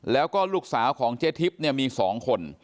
แล้วก็ลูกสาวของเจทิปมี๒คน